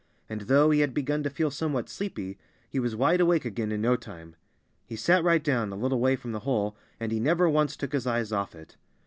And though he had begun to feel somewhat sleepy, he was wide awake again in no time. He sat right down, a little way from the hole, and he never once took his eyes off it.